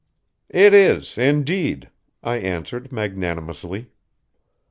"It is, indeed," I answered magnanimously.